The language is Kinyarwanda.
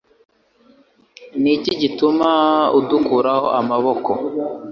Ni iki gituma udukuraho amaboko